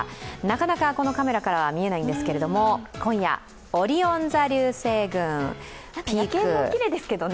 なかなかこのカメラからは見えないんですけれども、今夜、オリオン座流星群、ピーク。